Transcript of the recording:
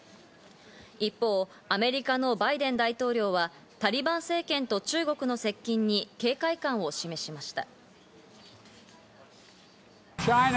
一方、アメリカのバイデン大統領はタリバン政権と中国の接近に警戒感を示しました。